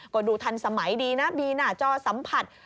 ก็ดูทันสมัยดีนะมีหน้าจอสัมผัส